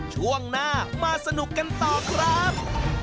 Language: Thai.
ช่วงหน้ามาสนุกกันต่อครับ